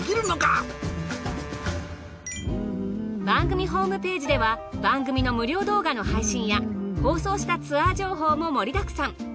番組ホームページでは番組の無料動画の配信や放送したツアー情報も盛りだくさん。